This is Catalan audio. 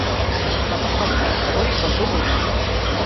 La campanya subsegüent va ser brutal.